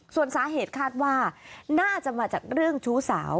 ส่วนสาเหตุคาดว่าน่าจะมาจากเรื่องชู้สาว